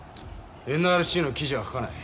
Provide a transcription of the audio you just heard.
ＮＲＣの記事は書かない。